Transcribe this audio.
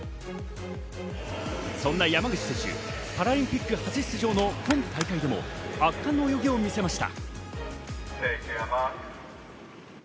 そんな山口選手、パラリンピック初出場の今大会でも圧巻の泳ぎを見せました。